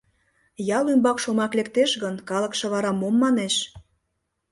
Ял ӱмбак шомак лектеш гын, калыкше вара мом манеш?